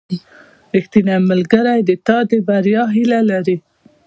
• ریښتینی ملګری د تا د بریا هیله لري.